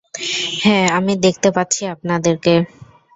হ্যাঁ, আমি দেখতে পাচ্ছি আপনাদেরকে।